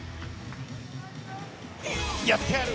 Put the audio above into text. やってやる！